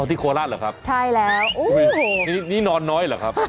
อ๋อที่โคราชเหรอครับโอ้โฮนี่นอนน้อยเหรอครับ